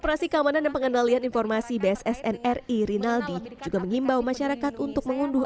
operasi keamanan dan pengendalian informasi bssn ri rinaldi juga mengimbau masyarakat untuk mengunduh